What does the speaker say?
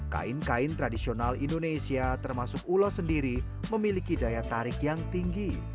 kain kain tradisional indonesia termasuk ulos sendiri memiliki daya tarik yang tinggi